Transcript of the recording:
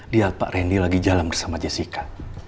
lihat pak randy lagi jalan bersama jessica